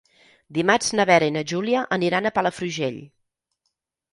Dimarts na Vera i na Júlia aniran a Palafrugell.